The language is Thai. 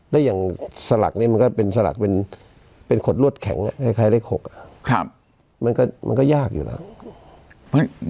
แล้วสลักนี้มันเป็นขดลวดแข็งใครที่เล็ก๖มันก็ยากอยู่แล้ว